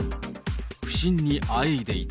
不振にあえいでいた。